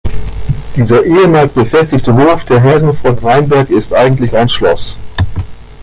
Dieser ehemals befestigte Hof der Herren von Reinberg ist eigentlich ein Schloss.